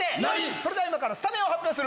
それでは今からスタメンを発表する。